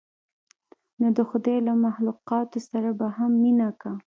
نو د خداى له مخلوقاتو سره به هم مينه کا.